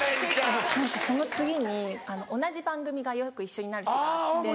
何かその次に同じ番組がよく一緒になる日があって出川さん。